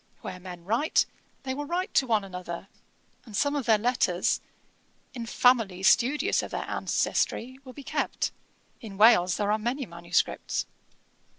Where men write, they will write to one another, and some of their letters, in families studious of their ancestry, will be kept. In Wales there are many manuscripts.